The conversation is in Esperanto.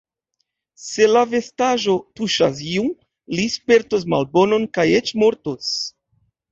Se la vestaĵo tuŝas iun, li spertos malbonon kaj eĉ mortos.